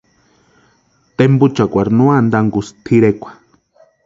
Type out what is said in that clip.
Tempuchakwarhu no antankusti tʼirekwa.